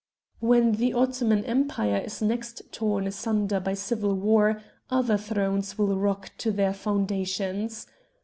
When the Ottoman Empire is next torn asunder by civil war other thrones will rock to their foundations.